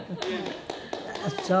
ああそう。